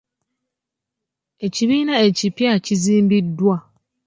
Ekibiina ekipya kizimbiddwa.